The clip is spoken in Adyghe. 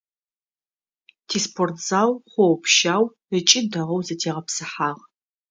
Тиспортзал хъоопщау ыкӏи дэгъоу зэтегъэпсыхьагъ.